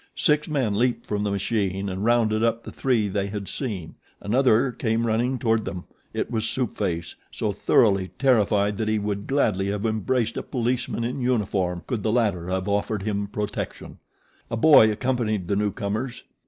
Six men leaped from the machine and rounded up the three they had seen. Another came running toward them. It was Soup Face, so thoroughly terrified that he would gladly have embraced a policeman in uniform, could the latter have offered him protection. A boy accompanied the newcomers.